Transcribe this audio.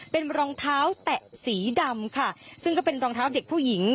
เป็นรองเท้าแตะสีดำค่ะซึ่งก็เป็นรองเท้าเด็กผู้หญิง